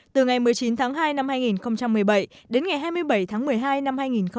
từ ngày một mươi chín tháng hai năm hai nghìn một mươi bảy đến ngày hai mươi bảy tháng một mươi hai năm hai nghìn một mươi chín